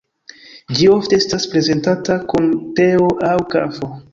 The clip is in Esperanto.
Ĝi ofte estas prezentata kun teo aŭ kafo.